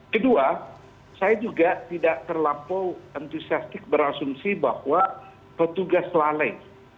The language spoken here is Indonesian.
kedua saya juga tidak terlampau antusiastik berasumsi bahwa petugas lalai